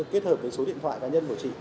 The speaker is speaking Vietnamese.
kết hợp với số điện thoại cá nhân của chị